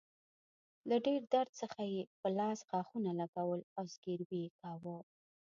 له ډیر درد څخه يې په لاس غاښونه لګول او زګیروی يې کاوه.